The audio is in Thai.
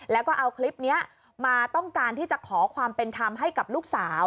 แล้วก็เอาคลิปนี้มาต้องการที่จะขอความเป็นธรรมให้กับลูกสาว